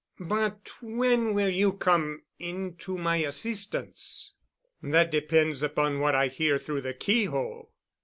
"But when will you come in to my assistance?" "That depends upon what I hear through the keyhole."